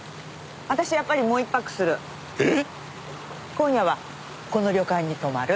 今夜はこの旅館に泊まる。